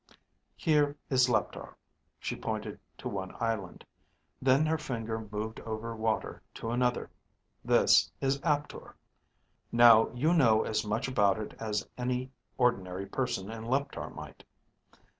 "Here is Leptar," she pointed to one island. Then her finger moved over water to another. "This is Aptor. Now you know as much about it as any ordinary person in Leptar might.